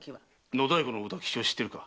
野太鼓の歌吉を知っているか。